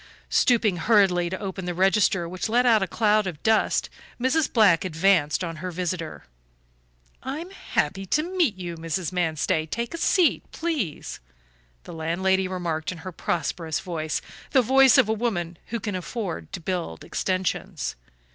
Stooping hurriedly to open the register, which let out a cloud of dust, Mrs. Black advanced on her visitor. "I'm happy to meet you, Mrs. Manstey; take a seat, please," the landlady remarked in her prosperous voice, the voice of a woman who can afford to build extensions.